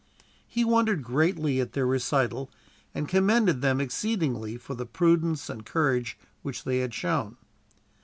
He wondered greatly at their recital, and commended them exceedingly for the prudence and courage which they had shown.